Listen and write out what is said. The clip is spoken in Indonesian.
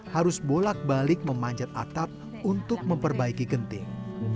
harus bolak balik memanjat atap untuk memperbaiki genting